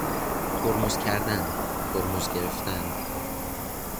ترمز کردن، ترمز گرفتن